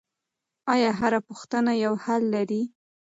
آیا هره پوښتنه یو حل لري؟